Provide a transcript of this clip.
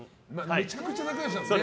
めちゃくちゃ仲良しなんですよね。